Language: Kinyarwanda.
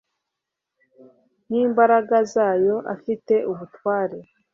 Nkimbaraga zayo afite ubutware